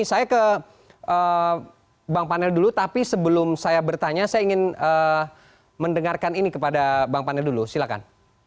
saya ke bang panel dulu tapi sebelum saya bertanya saya ingin mendengarkan ini kepada bang panel dulu silahkan